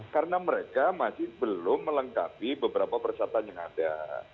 karena mereka masih belum melengkapi beberapa persyaratan yang ada